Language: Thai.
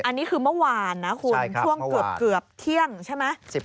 อันนี้คือเมื่อวานนะคุณช่วงเกือบเที่ยงใช่ไหม